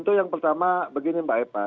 ya tentu yang pertama begini mbak epa